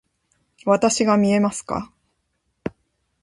わたしが見えますか？